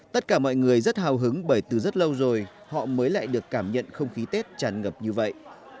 tất cả mọi người rất hào hứng bởi từ rất lâu rồi họ mới lại được cảm nhận không khí tết tràn ngập như vậy